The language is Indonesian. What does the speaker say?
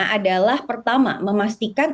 adalah pertama memastikan